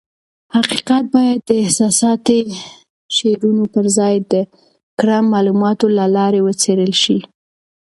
حقیقت بايد د احساساتي شعارونو پر ځای د کره معلوماتو له لارې وڅېړل شي.